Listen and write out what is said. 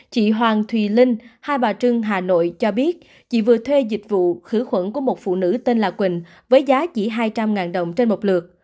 chị hoàng thùy linh hai bà trưng hà nội cho biết chị vừa thuê dịch vụ khử khuẩn của một phụ nữ tên là quỳnh với giá chỉ hai trăm linh đồng trên một lượt